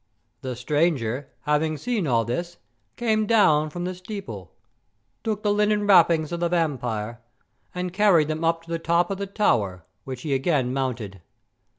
"The stranger, having seen all this, came down from the steeple, took the linen wrappings of the vampire, and carried them up to the top of the tower, which he again mounted.